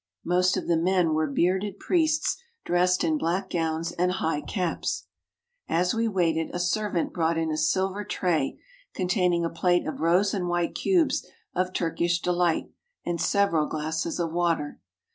Most of the men were bearded priests dressed in black gowns and high caps. As we waited a servant brought in a silver tray con taining a plate of rose and white cubes of Turkish delight and several glasses of water.